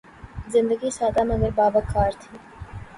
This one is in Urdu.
زندگی سادہ مگر باوقار تھی